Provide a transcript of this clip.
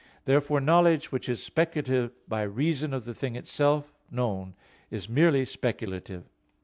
Therefore knowledge which is speculative by reason of the thing itself known, is merely speculative.